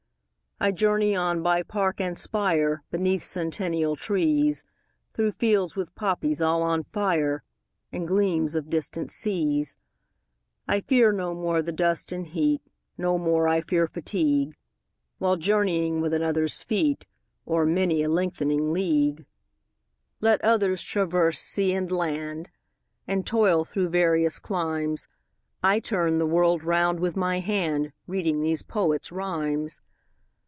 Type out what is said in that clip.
20 I journey on by park and spire, Beneath centennial trees, Through fields with poppies all on fire, And gleams of distant seas. I fear no more the dust and heat, 25 No more I fear fatigue, While journeying with another's feet O'er many a lengthening league. Let others traverse sea and land, And toil through various climes, 30 I turn the world round with my hand Reading these poets' rhymes.